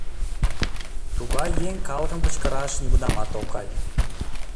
Тугай еҥ калыкым кычкыраш нигунамат ок кай.